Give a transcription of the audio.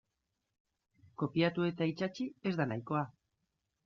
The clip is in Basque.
Kopiatu eta itsatsi ez da nahikoa.